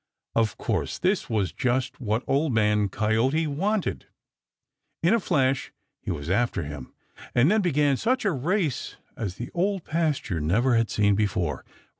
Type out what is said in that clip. Of course this was just what Old Man Coyote wanted. In a flash he was after him, and then began such a race as the Old Pasture never had seen before.